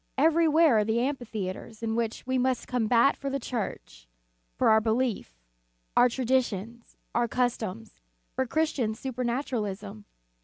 Everywhere are the amphitheatres in which we must combat for the Church, for our belief, our traditions, our customs, for Chris tian supernaturalism.